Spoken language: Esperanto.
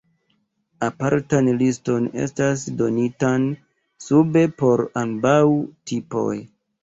Apartan liston estas donitan sube por ambaŭ tipoj.